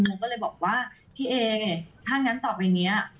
โมก็เลยบอกว่าพี่เอท่านงานต่อไปนี้